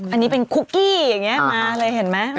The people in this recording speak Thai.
อันนี้เป็นคุกกี้อย่างนี้มาเลยเห็นไหม